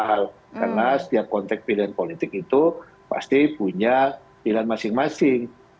karena setiap konteks pilihan politik itu pasti punya pilihan masing masing